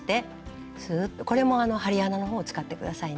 これも針穴のほうを使って下さいね。